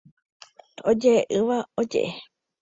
Ojeʼeʼỹva ojeʼe.